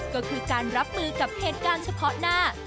ก็คือการรับมือกับเหตุการณ์เฉพาะหน้า